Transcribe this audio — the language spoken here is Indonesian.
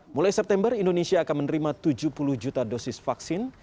mulai september indonesia akan menerima tujuh puluh juta dosis vaksin